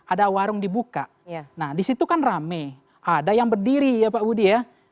ada warung dibuka nah disitu kan rame ada yang berdiri ya pak budi ya